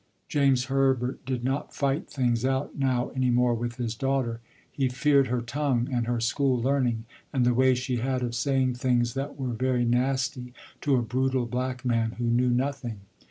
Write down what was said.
James Herbert did not fight things out now any more with his daughter. He feared her tongue, and her school learning, and the way she had of saying things that were very nasty to a brutal black man who knew nothing.